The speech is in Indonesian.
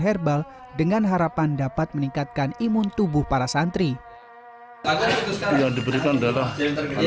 herbal dengan harapan dapat meningkatkan imun tubuh para santri transfer hal berbentuk bi revers break